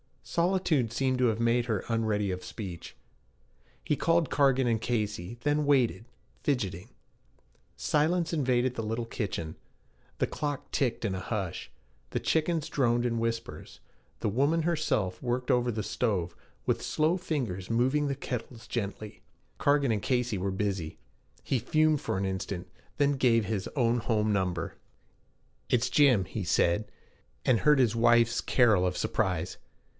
Solitude seemed to have made her unready of speech. He called Cargan & Casey, then waited, fidgeting. Silence invaded the little kitchen. The clock ticked in a hush; the chickens droned in whispers; the woman herself worked over the stove with slow fingers, moving the kettles gently. Cargan & Casey were 'busy.' He fumed for an instant, then gave his own home number. 'It's Jim,' he said, and heard his wife's carol of surprise.